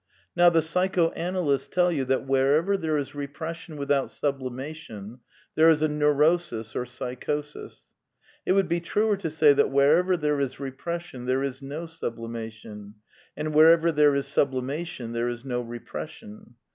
!N'ow the psychoanalysts tell you that wherever there is repression without sublimation there is a neurosis or psychosis. It would be truer to say that wherever there is ^ repression there is no sublimation, and wherever there iB sublimation there is no repression.